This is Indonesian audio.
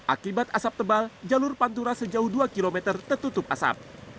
akibat asap tebal jalur pantura sejauh dua km tertutup asap